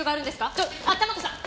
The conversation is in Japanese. ちょあっ珠子さん！